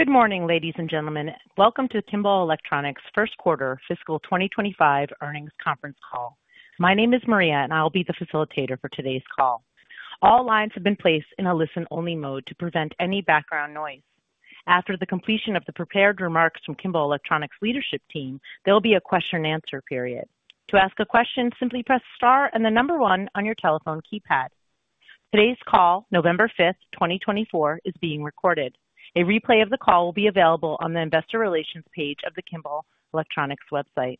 Good morning, ladies and gentlemen. Welcome to Kimball Electronics' first quarter, fiscal 2025, earnings conference call. My name is Maria, and I'll be the facilitator for today's call. All lines have been placed in a listen-only mode to prevent any background noise. After the completion of the prepared remarks from Kimball Electronics' leadership team, there will be a question-and-answer period. To ask a question, simply press star and the number one on your telephone keypad. Today's call, November 5th, 2024, is being recorded. A replay of the call will be available on the investor relations page of the Kimball Electronics website.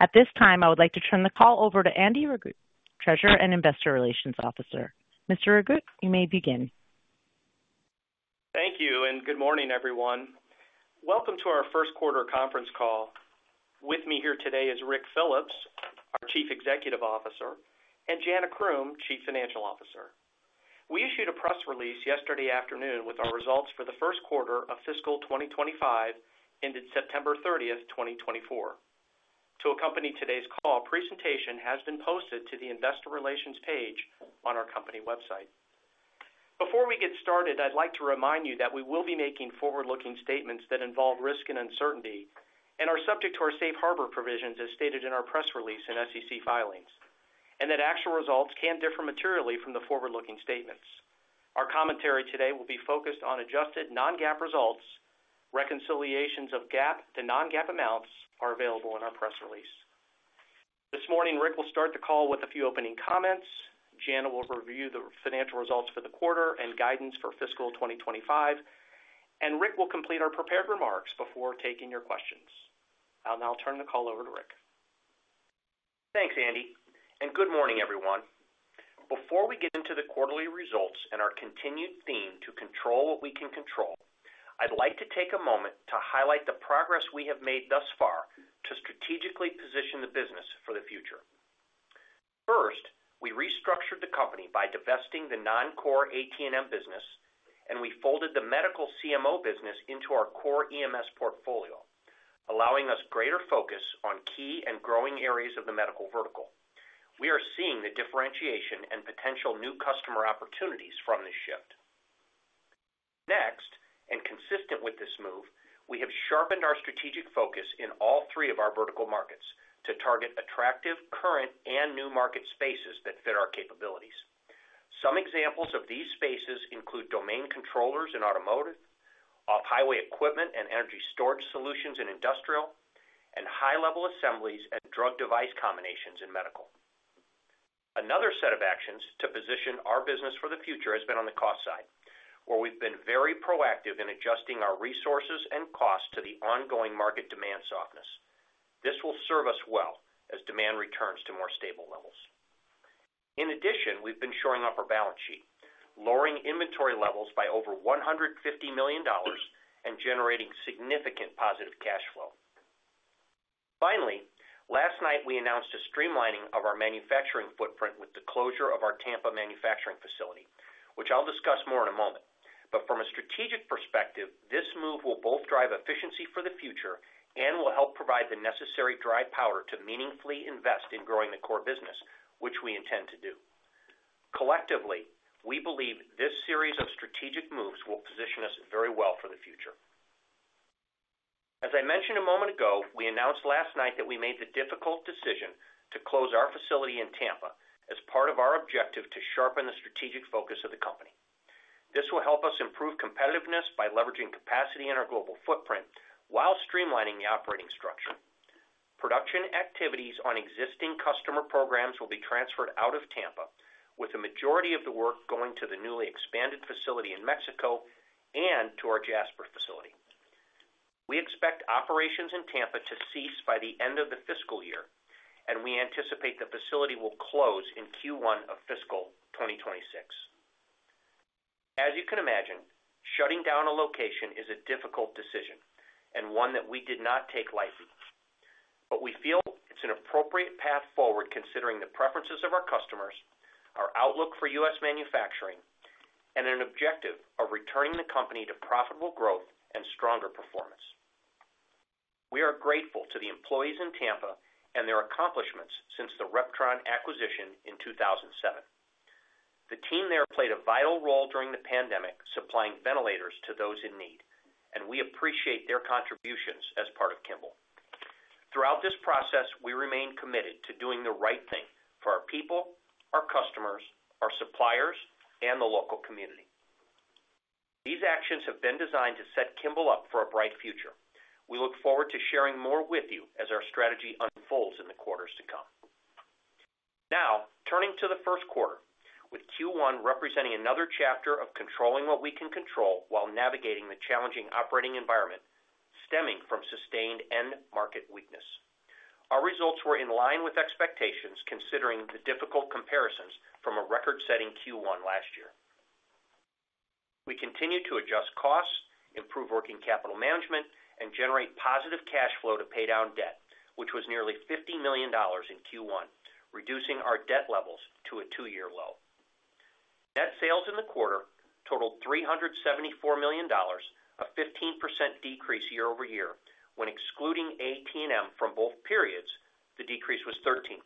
At this time, I would like to turn the call over to Andy Regrut, Treasurer and Investor Relations Officer. Mr. Regrut, you may begin. Thank you, and good morning, everyone. Welcome to our first quarter conference call. With me here today is Ric Phillips, our Chief Executive Officer, and Jana Croom, Chief Financial Officer. We issued a press release yesterday afternoon with our results for the first quarter of fiscal 2025 ended September 30th, 2024. To accompany today's call, a presentation has been posted to the investor relations page on our company website. Before we get started, I'd like to remind you that we will be making forward-looking statements that involve risk and uncertainty and are subject to our safe harbor provisions, as stated in our press release and SEC filings, and that actual results can differ materially from the forward-looking statements. Our commentary today will be focused on adjusted non-GAAP results. Reconciliations of GAAP to non-GAAP amounts are available in our press release. This morning, Rick will start the call with a few opening comments. Jana will review the financial results for the quarter and guidance for fiscal 2025, and Rick will complete our prepared remarks before taking your questions. I'll now turn the call over to Rick. Thanks, Andy, and good morning, everyone. Before we get into the quarterly results and our continued theme to control what we can control, I'd like to take a moment to highlight the progress we have made thus far to strategically position the business for the future. First, we restructured the company by divesting the non-core AT&M business, and we folded the medical CMO business into our core EMS portfolio, allowing us greater focus on key and growing areas of the medical vertical. We are seeing the differentiation and potential new customer opportunities from this shift. Next, and consistent with this move, we have sharpened our strategic focus in all three of our vertical markets to target attractive, current, and new market spaces that fit our capabilities. Some examples of these spaces include domain controllers in automotive, off-highway equipment and energy storage solutions in industrial, and high-level assemblies and drug device combinations in medical. Another set of actions to position our business for the future has been on the cost side, where we've been very proactive in adjusting our resources and costs to the ongoing market demand softness. This will serve us well as demand returns to more stable levels. In addition, we've been shoring up our balance sheet, lowering inventory levels by over $150 million and generating significant positive cash flow. Finally, last night we announced a streamlining of our manufacturing footprint with the closure of our Tampa manufacturing facility, which I'll discuss more in a moment. But from a strategic perspective, this move will both drive efficiency for the future and will help provide the necessary dry powder to meaningfully invest in growing the core business, which we intend to do. Collectively, we believe this series of strategic moves will position us very well for the future. As I mentioned a moment ago, we announced last night that we made the difficult decision to close our facility in Tampa as part of our objective to sharpen the strategic focus of the company. This will help us improve competitiveness by leveraging capacity in our global footprint while streamlining the operating structure. Production activities on existing customer programs will be transferred out of Tampa, with the majority of the work going to the newly expanded facility in Mexico and to our Jasper facility. We expect operations in Tampa to cease by the end of the fiscal year, and we anticipate the facility will close in Q1 of fiscal 2026. As you can imagine, shutting down a location is a difficult decision and one that we did not take lightly, but we feel it's an appropriate path forward considering the preferences of our customers, our outlook for U.S. manufacturing, and an objective of returning the company to profitable growth and stronger performance. We are grateful to the employees in Tampa and their accomplishments since the Reptron acquisition in 2007. The team there played a vital role during the pandemic supplying ventilators to those in need, and we appreciate their contributions as part of Kimball. Throughout this process, we remain committed to doing the right thing for our people, our customers, our suppliers, and the local community. These actions have been designed to set Kimball up for a bright future. We look forward to sharing more with you as our strategy unfolds in the quarters to come. Now, turning to the first quarter, with Q1 representing another chapter of controlling what we can control while navigating the challenging operating environment stemming from sustained end-market weakness. Our results were in line with expectations considering the difficult comparisons from a record-setting Q1 last year. We continue to adjust costs, improve working capital management, and generate positive cash flow to pay down debt, which was nearly $50 million in Q1, reducing our debt levels to a two-year low. Net sales in the quarter totaled $374 million, a 15% decrease year over year. When excluding AT&M from both periods, the decrease was 13%.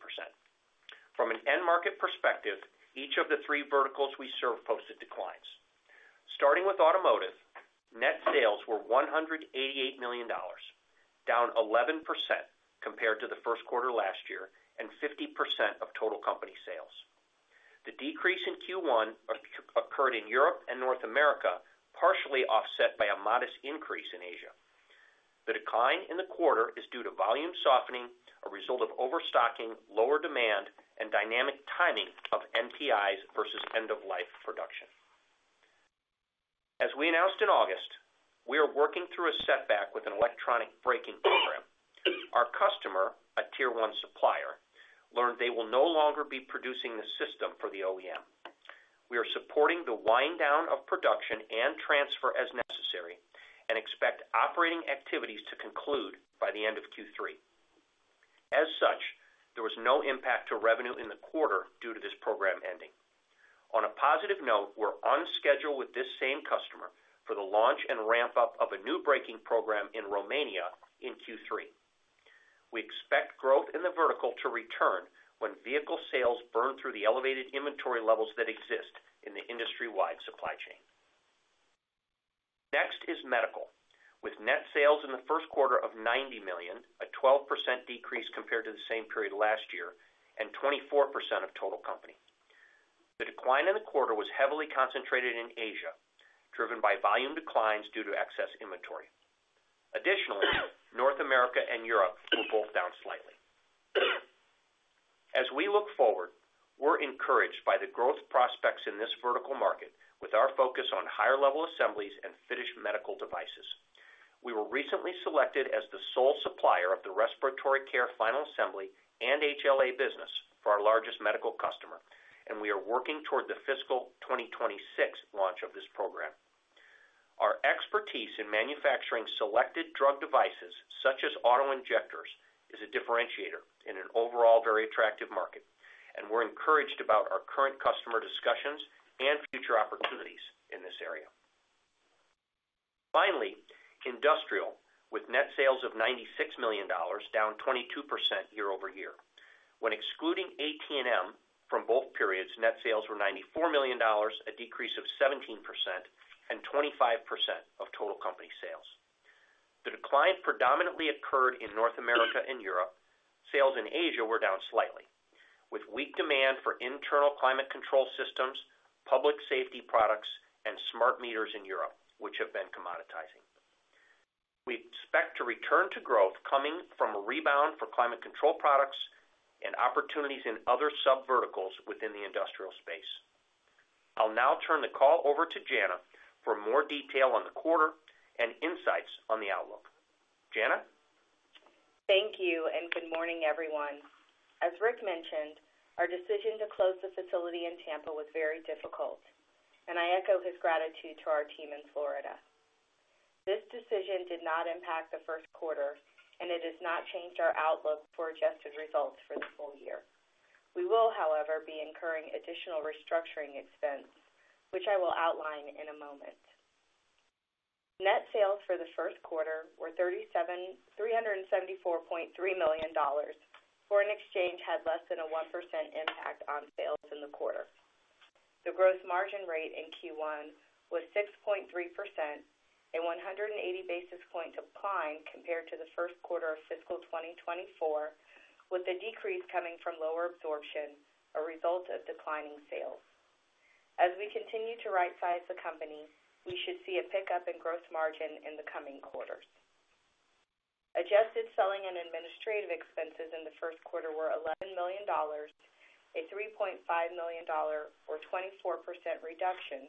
From an end-market perspective, each of the three verticals we serve posted declines. Starting with automotive, net sales were $188 million, down 11% compared to the first quarter last year and 50% of total company sales. The decrease in Q1 occurred in Europe and North America, partially offset by a modest increase in Asia. The decline in the quarter is due to volume softening, a result of overstocking, lower demand, and dynamic timing of NPIs versus end-of-life production. As we announced in August, we are working through a setback with an electronic braking program. Our customer, a tier-one supplier, learned they will no longer be producing the system for the OEM. We are supporting the wind-down of production and transfer as necessary and expect operating activities to conclude by the end of Q3. As such, there was no impact to revenue in the quarter due to this program ending. On a positive note, we're on schedule with this same customer for the launch and ramp-up of a new braking program in Romania in Q3. We expect growth in the vertical to return when vehicle sales burn through the elevated inventory levels that exist in the industry-wide supply chain. Next is medical, with net sales in the first quarter of $90 million, a 12% decrease compared to the same period last year, and 24% of total company. The decline in the quarter was heavily concentrated in Asia, driven by volume declines due to excess inventory. Additionally, North America and Europe were both down slightly. As we look forward, we're encouraged by the growth prospects in this vertical market with our focus on higher-level assemblies and finished medical devices. We were recently selected as the sole supplier of the respiratory care final assembly and HLA business for our largest medical customer, and we are working toward the fiscal 2026 launch of this program. Our expertise in manufacturing selected drug devices, such as auto injectors, is a differentiator in an overall very attractive market, and we're encouraged about our current customer discussions and future opportunities in this area. Finally, industrial, with net sales of $96 million, down 22% year over year. When excluding AT&M from both periods, net sales were $94 million, a decrease of 17%, and 25% of total company sales. The decline predominantly occurred in North America and Europe. Sales in Asia were down slightly, with weak demand for internal climate control systems, public safety products, and smart meters in Europe, which have been commoditizing. We expect to return to growth coming from a rebound for climate control products and opportunities in other sub-verticals within the industrial space. I'll now turn the call over to Jana for more detail on the quarter and insights on the outlook. Jana. Thank you, and good morning, everyone. As Rick mentioned, our decision to close the facility in Tampa was very difficult, and I echo his gratitude to our team in Florida. This decision did not impact the first quarter, and it has not changed our outlook for adjusted results for the full year. We will, however, be incurring additional restructuring expense, which I will outline in a moment. Net sales for the first quarter were $374.3 million, for foreign exchange had less than a 1% impact on sales in the quarter. The gross margin rate in Q1 was 6.3%, a 180 basis points decline compared to the first quarter of fiscal 2024, with the decrease coming from lower absorption, a result of declining sales. As we continue to right-size the company, we should see a pickup in gross margin in the coming quarters. Adjusted selling and administrative expenses in the first quarter were $11 million, a $3.5 million, or 24% reduction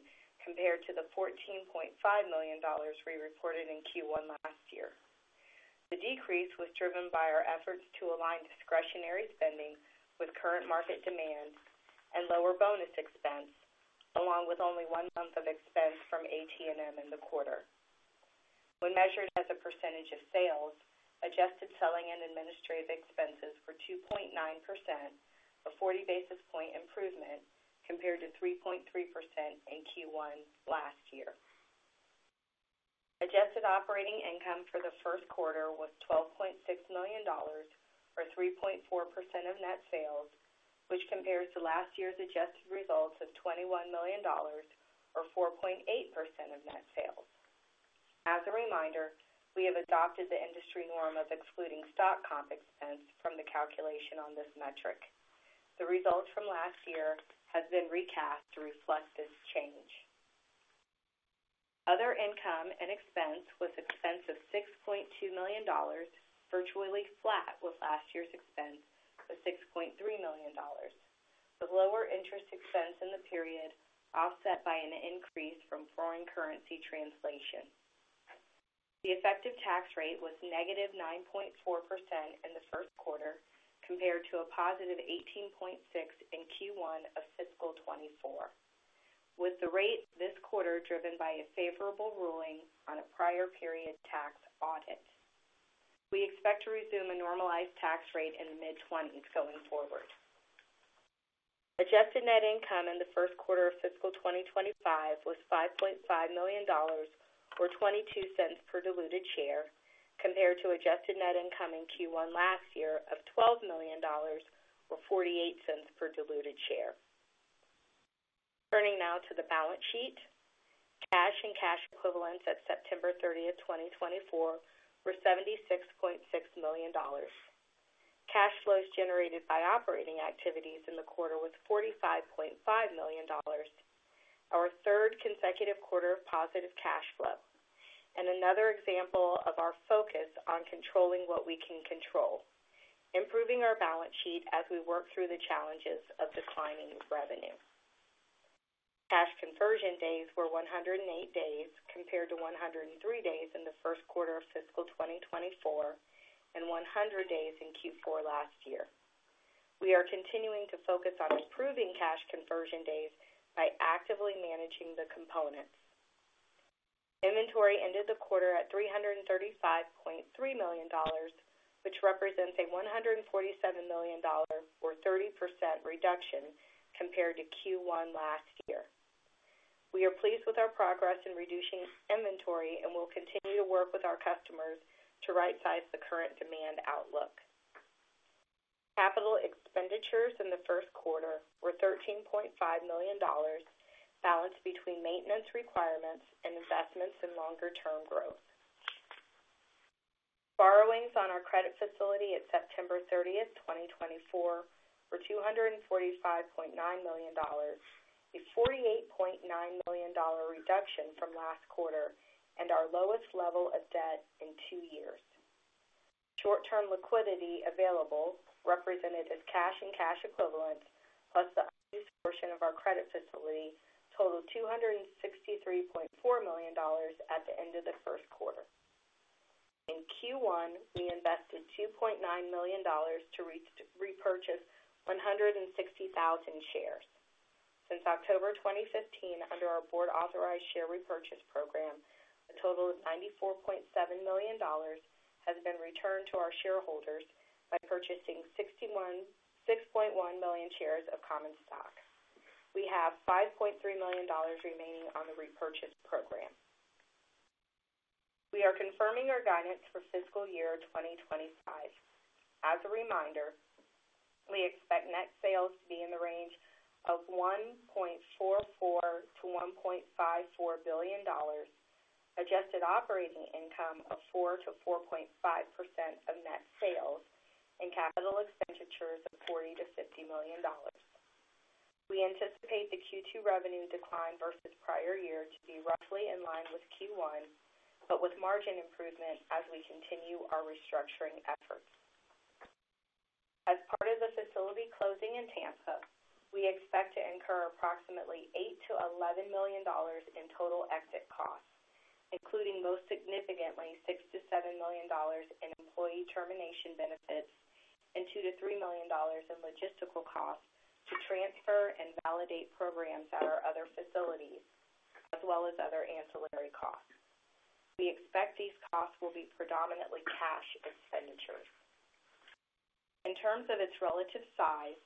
compared to the $14.5 million we reported in Q1 last year. The decrease was driven by our efforts to align discretionary spending with current market demand and lower bonus expense, along with only one month of expense from AT&M in the quarter. When measured as a percentage of sales, adjusted selling and administrative expenses were 2.9%, a 40 basis point improvement compared to 3.3% in Q1 last year. Adjusted operating income for the first quarter was $12.6 million, or 3.4% of net sales, which compares to last year's adjusted results of $21 million, or 4.8% of net sales. As a reminder, we have adopted the industry norm of excluding stock comp expense from the calculation on this metric. The results from last year have been recast to reflect this change. Other income and expense was expense of $6.2 million, virtually flat with last year's expense of $6.3 million, with lower interest expense in the period offset by an increase from foreign currency translation. The effective tax rate was negative 9.4% in the first quarter compared to a positive 18.6% in Q1 of fiscal 2024, with the rate this quarter driven by a favorable ruling on a prior period tax audit. We expect to resume a normalized tax rate in the mid-20s% going forward. Adjusted net income in the first quarter of fiscal 2025 was $5.5 million, or $0.22 per diluted share, compared to adjusted net income in Q1 last year of $12 million, or $0.48 per diluted share. Turning now to the balance sheet, cash and cash equivalents at September 30, 2024, were $76.6 million. Cash flows generated by operating activities in the quarter was $45.5 million, our third consecutive quarter of positive cash flow, and another example of our focus on controlling what we can control, improving our balance sheet as we work through the challenges of declining revenue. Cash conversion days were 108 days compared to 103 days in the first quarter of fiscal 2024 and 100 days in Q4 last year. We are continuing to focus on improving cash conversion days by actively managing the components. Inventory ended the quarter at $335.3 million, which represents a $147 million, or 30% reduction compared to Q1 last year. We are pleased with our progress in reducing inventory and will continue to work with our customers to right-size the current demand outlook. Capital expenditures in the first quarter were $13.5 million, balanced between maintenance requirements and investments in longer-term growth. Borrowings on our credit facility at September 30, 2024, were $245.9 million, a $48.9 million reduction from last quarter and our lowest level of debt in two years. Short-term liquidity available represented as cash and cash equivalents plus the unused portion of our credit facility totaled $263.4 million at the end of the first quarter. In Q1, we invested $2.9 million to repurchase 160,000 shares. Since October 2015, under our board-authorized share repurchase program, a total of $94.7 million has been returned to our shareholders by purchasing 6.1 million shares of common stock. We have $5.3 million remaining on the repurchase program. We are confirming our guidance for fiscal year 2025. As a reminder, we expect net sales to be in the range of $1.44 billion-$1.54 billion, adjusted operating income of 4%-4.5% of net sales, and capital expenditures of $40 million-$50 million. We anticipate the Q2 revenue decline versus prior year to be roughly in line with Q1, but with margin improvement as we continue our restructuring efforts. As part of the facility closing in Tampa, we expect to incur approximately $8 million-$11 million in total exit costs, including most significantly $6 million-$7 million in employee termination benefits and $2 million-$3 million in logistical costs to transfer and validate programs at our other facilities, as well as other ancillary costs. We expect these costs will be predominantly cash expenditures. In terms of its relative size,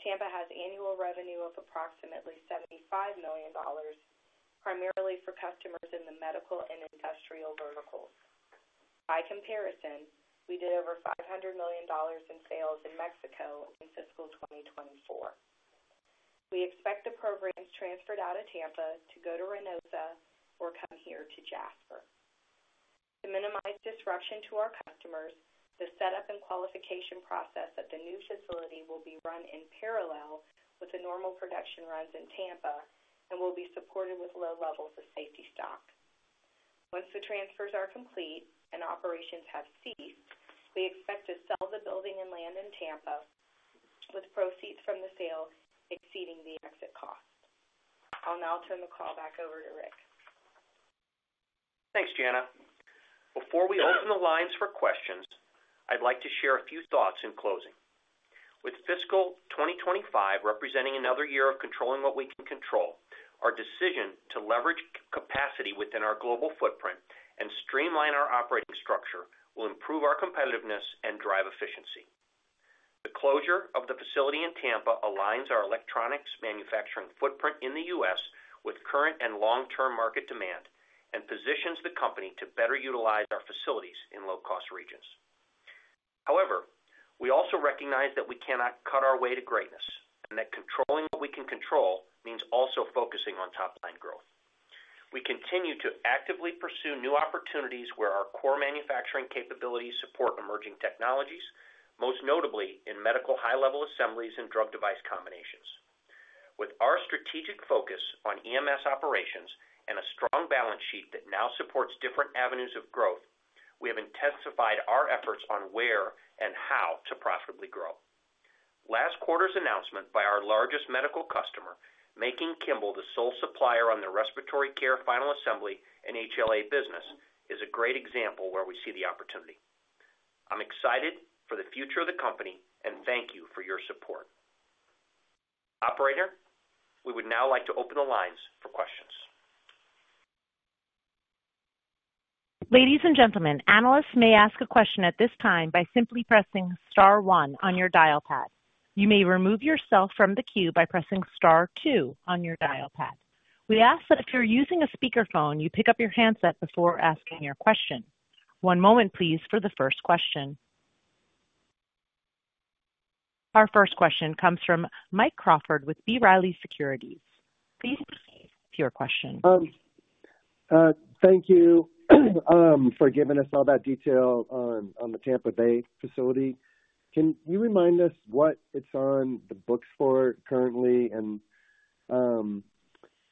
Tampa has annual revenue of approximately $75 million, primarily for customers in the medical and industrial verticals. By comparison, we did over $500 million in sales in Mexico in fiscal 2024. We expect the programs transferred out of Tampa to go to Reynosa or come here to Jasper. To minimize disruption to our customers, the setup and qualification process at the new facility will be run in parallel with the normal production runs in Tampa and will be supported with low levels of safety stock. Once the transfers are complete and operations have ceased, we expect to sell the building and land in Tampa with proceeds from the sale exceeding the exit cost. I'll now turn the call back over to Rick. Thanks, Jana. Before we open the lines for questions, I'd like to share a few thoughts in closing. With fiscal 2025 representing another year of controlling what we can control, our decision to leverage capacity within our global footprint and streamline our operating structure will improve our competitiveness and drive efficiency. The closure of the facility in Tampa aligns our electronics manufacturing footprint in the U.S. with current and long-term market demand and positions the company to better utilize our facilities in low-cost regions. However, we also recognize that we cannot cut our way to greatness and that controlling what we can control means also focusing on top-line growth. We continue to actively pursue new opportunities where our core manufacturing capabilities support emerging technologies, most notably in medical high-level assemblies and drug device combinations. With our strategic focus on EMS operations and a strong balance sheet that now supports different avenues of growth, we have intensified our efforts on where and how to profitably grow. Last quarter's announcement by our largest medical customer, making Kimball the sole supplier on the respiratory care final assembly and HLA business, is a great example where we see the opportunity. I'm excited for the future of the company and thank you for your support. Operator, we would now like to open the lines for questions. Ladies and gentlemen, analysts may ask a question at this time by simply pressing star one on your dial pad. You may remove yourself from the queue by pressing star two on your dial pad. We ask that if you're using a speakerphone, you pick up your handset before asking your question. One moment, please, for the first question. Our first question comes from Mike Crawford with B. Riley Securities. Please proceed with your question. Thank you for giving us all that detail on the Tampa Bay facility. Can you remind us what it's on the books for currently and,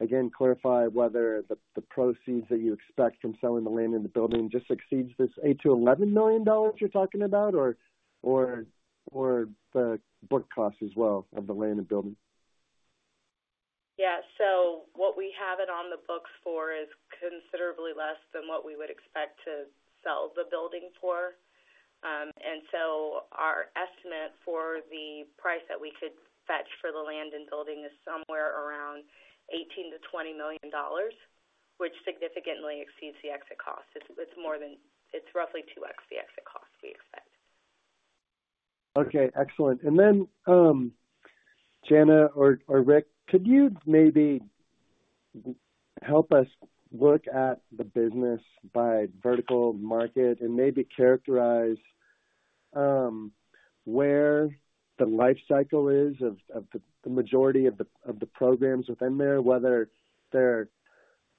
again, clarify whether the proceeds that you expect from selling the land and the building just exceeds this $8 million-$11 million you're talking about, or the book cost as well of the land and building? Yeah. So what we have it on the books for is considerably less than what we would expect to sell the building for. And so our estimate for the price that we could fetch for the land and building is somewhere around $18 million-$20 million, which significantly exceeds the exit cost. It's roughly 2x the exit cost we expect. Okay. Excellent. And then, Jana or Rick, could you maybe help us look at the business by vertical market and maybe characterize where the life cycle is of the majority of the programs within there, whether they're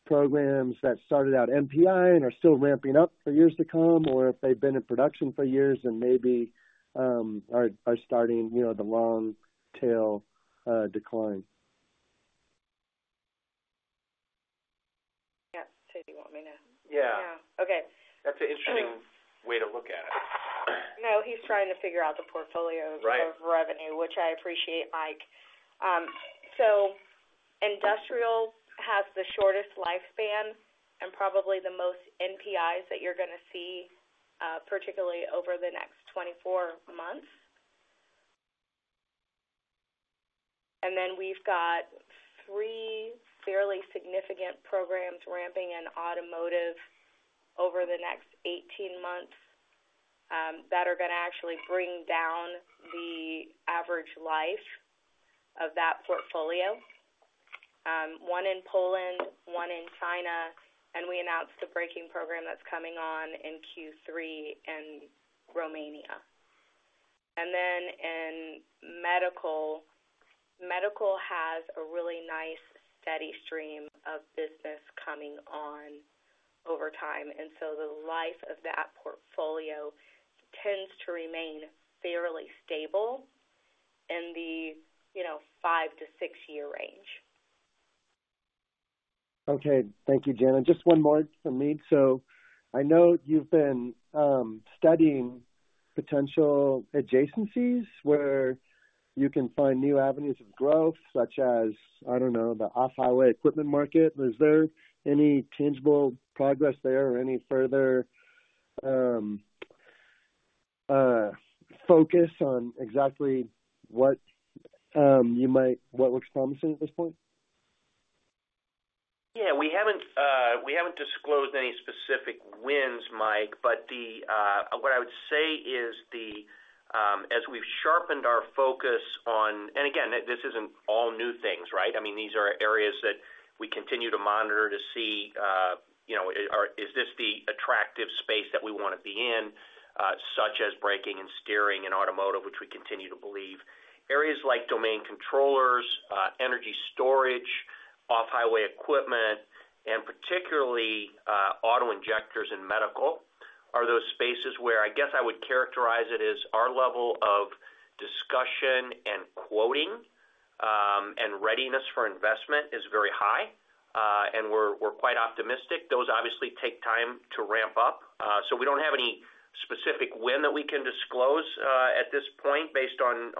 programs that started out NPI and are still ramping up for years to come, or if they've been in production for years and maybe are starting the long-tail decline? Yes. Did you want me to? Yeah. Yeah. Okay. That's an interesting way to look at it. No, he's trying to figure out the portfolio of revenue, which I appreciate, Mike. So industrial has the shortest lifespan and probably the most NPIs that you're going to see, particularly over the next 24 months. And then we've got three fairly significant programs ramping in automotive over the next 18 months that are going to actually bring down the average life of that portfolio, one in Poland, one in China, and we announced the braking program that's coming on in Q3 in Romania. And then in medical, medical has a really nice steady stream of business coming on over time. And so the life of that portfolio tends to remain fairly stable in the five- to six-year range. Okay. Thank you, Jana. Just one more from me. So I know you've been studying potential adjacencies where you can find new avenues of growth, such as, I don't know, the off-highway equipment market. Is there any tangible progress there or any further focus on exactly what looks promising at this point? Yeah. We haven't disclosed any specific wins, Mike, but what I would say is, as we've sharpened our focus on—and again, this isn't all new things, right? I mean, these are areas that we continue to monitor to see, is this the attractive space that we want to be in, such as braking and steering in automotive, which we continue to believe? Areas like domain controllers, energy storage, off-highway equipment, and particularly auto injectors and medical are those spaces where I guess I would characterize it as our level of discussion and quoting and readiness for investment is very high, and we're quite optimistic. Those obviously take time to ramp up. So we don't have any specific win that we can disclose at this point based on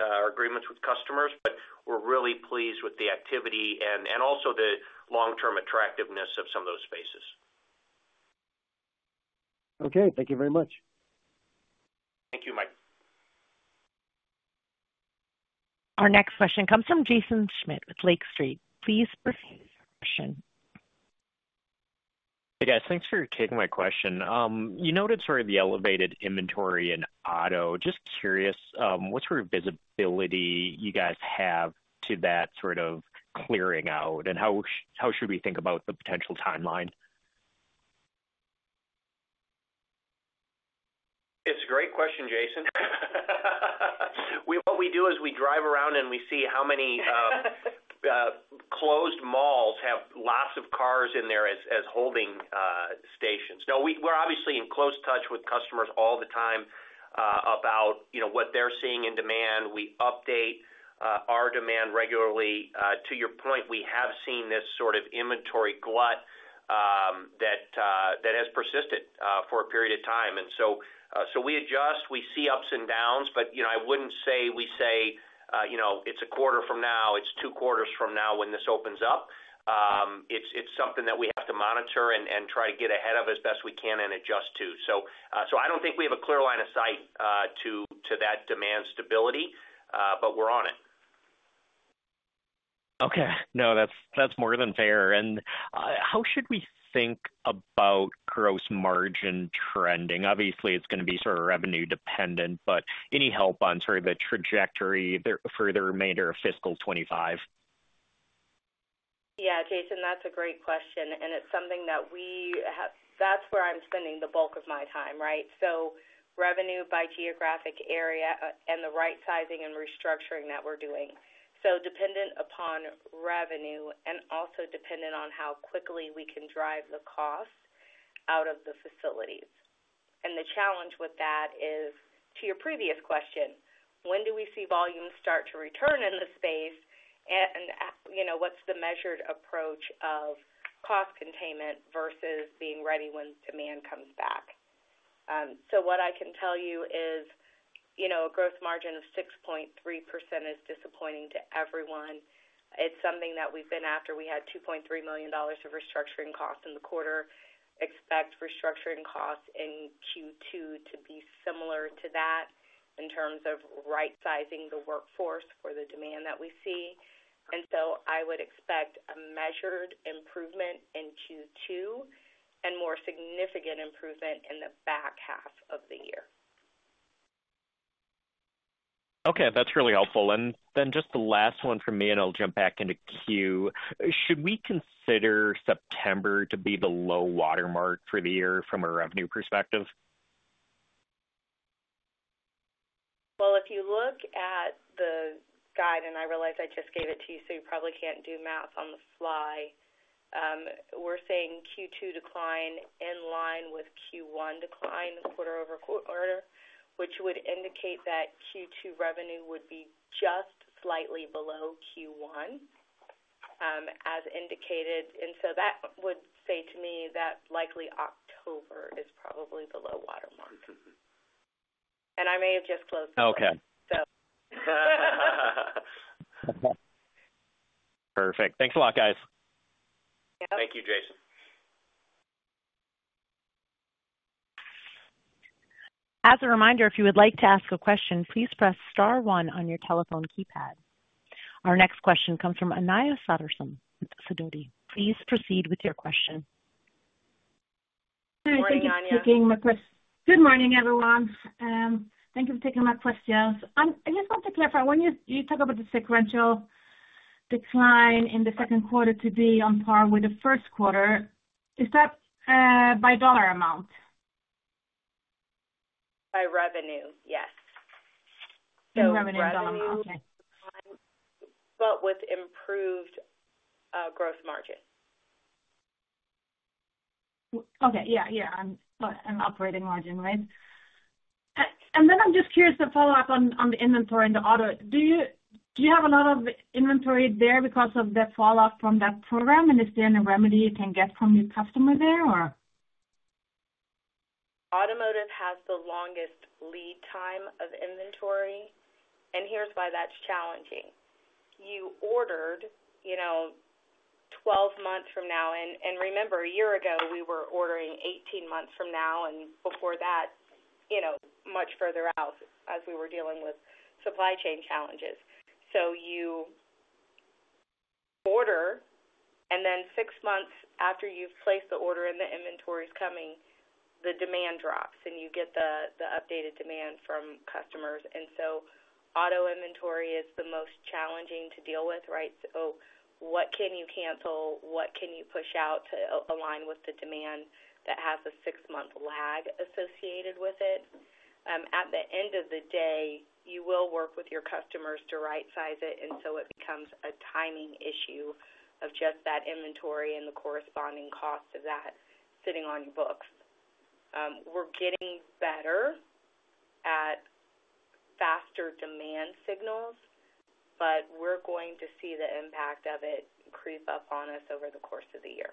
our agreements with customers, but we're really pleased with the activity and also the long-term attractiveness of some of those spaces. Okay. Thank you very much. Thank you, Mike. Our next question comes from Jaeson Schmidt with Lake Street. Please provide your question. Hey, guys. Thanks for taking my question. You noted sort of the elevated inventory in auto. Just curious, what sort of visibility you guys have to that sort of clearing out, and how should we think about the potential timeline? It's a great question, Jason. What we do is we drive around and we see how many closed malls have lots of cars in there as holding stations. No, we're obviously in close touch with customers all the time about what they're seeing in demand. We update our demand regularly. To your point, we have seen this sort of inventory glut that has persisted for a period of time. And so we adjust. We see ups and downs, but I wouldn't say we say, "It's a quarter from now. It's two quarters from now when this opens up." It's something that we have to monitor and try to get ahead of as best we can and adjust to. So I don't think we have a clear line of sight to that demand stability, but we're on it. Okay. No, that's more than fair. And how should we think about gross margin trending? Obviously, it's going to be sort of revenue-dependent, but any help on sort of the trajectory for the remainder of fiscal 2025? Yeah, Jason, that's a great question. And it's something that we have—that's where I'm spending the bulk of my time, right? So revenue by geographic area and the right-sizing and restructuring that we're doing. So dependent upon revenue and also dependent on how quickly we can drive the cost out of the facilities. And the challenge with that is, to your previous question, when do we see volumes start to return in the space, and what's the measured approach of cost containment versus being ready when demand comes back? So what I can tell you is a gross margin of 6.3% is disappointing to everyone. It's something that we've been after. We had $2.3 million of restructuring costs in the quarter. Expect restructuring costs in Q2 to be similar to that in terms of right-sizing the workforce for the demand that we see. And so I would expect a measured improvement in Q2 and more significant improvement in the back half of the year. Okay. That's really helpful, and then just the last one from me, and I'll jump back into queue. Should we consider September to be the low watermark for the year from a revenue perspective? Well, if you look at the guide, and I realize I just gave it to you, so you probably can't do math on the fly, we're seeing Q2 decline in line with Q1 decline quarter over quarter, which would indicate that Q2 revenue would be just slightly below Q1, as indicated. And so that would say to me that likely October is probably the low watermark. And I may have just closed the line, so. Perfect. Thanks a lot, guys. Yep. Thank you, Jason. As a reminder, if you would like to ask a question, please press Star 1 on your telephone keypad. Our next question comes from Anja Soderstrom with Sidoti. Please proceed with your question. Hi, thank you for taking my question. Good morning, everyone. Thank you for taking my questions. I just want to clarify. When you talk about the sequential decline in the second quarter to be on par with the first quarter, is that by dollar amount? By revenue, yes. By revenue amount, okay. But with improved gross margin. Okay. Yeah, yeah. And operating margin, right? And then I'm just curious to follow up on the inventory and the auto. Do you have a lot of inventory there because of the falloff from that program? And is there any remedy you can get from your customer there, or? Automotive has the longest lead time of inventory. And here's why that's challenging. You ordered 12 months from now. And remember, a year ago, we were ordering 18 months from now and before that much further out as we were dealing with supply chain challenges. So you order, and then six months after you've placed the order and the inventory is coming, the demand drops, and you get the updated demand from customers. And so auto inventory is the most challenging to deal with, right? So what can you cancel? What can you push out to align with the demand that has a six-month lag associated with it? At the end of the day, you will work with your customers to right-size it, and so it becomes a timing issue of just that inventory and the corresponding cost of that sitting on your books. We're getting better at faster demand signals, but we're going to see the impact of it creep up on us over the course of the year.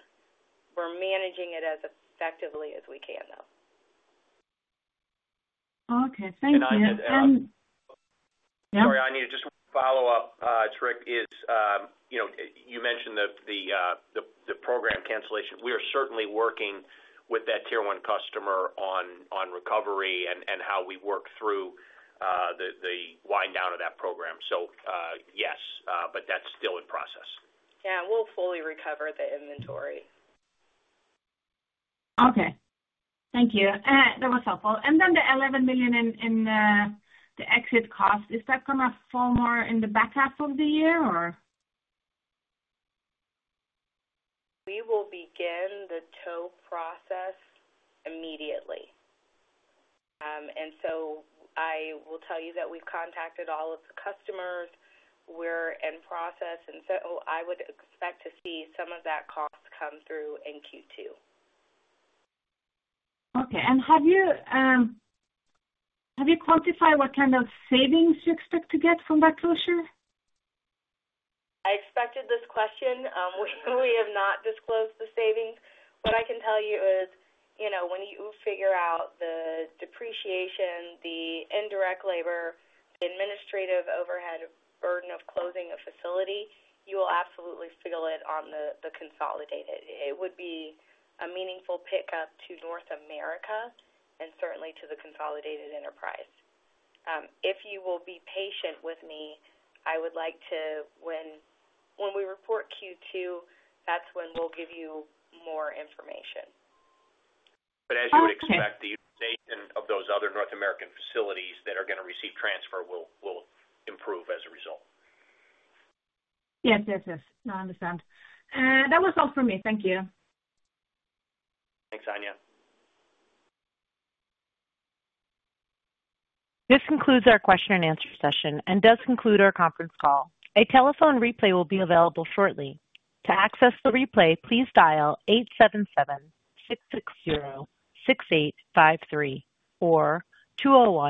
We're managing it as effectively as we can, though. Okay. Thank you. And. Sorry, I need to just follow up, Rick. You mentioned the program cancellation. We are certainly working with that Tier 1 customer on recovery and how we work through the wind down of that program. So yes, but that's still in process. Yeah. We'll fully recover the inventory. Okay. Thank you. That was helpful. And then the $11 million in the exit cost, is that going to fall more in the back half of the year, or? We will begin the down process immediately, and so I will tell you that we've contacted all of the customers. We're in process, and so I would expect to see some of that cost come through in Q2. Okay. And have you quantified what kind of savings you expect to get from that closure? I expected this question. We have not disclosed the savings. What I can tell you is when you figure out the depreciation, the indirect labor, the administrative overhead burden of closing a facility, you will absolutely feel it on the consolidated. It would be a meaningful pickup to North America and certainly to the consolidated enterprise. If you will be patient with me, I would like to, when we report Q2, that's when we'll give you more information. But as you would expect, the utilization of those other North American facilities that are going to receive transfer will improve as a result. Yes, yes, yes. No, I understand. That was all from me. Thank you. Thanks, Anja. This concludes our question-and-answer session and does conclude our conference call. A telephone replay will be available shortly. To access the replay, please dial 877-660-6853 or 201.